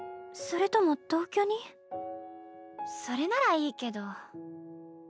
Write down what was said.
それならいいけど。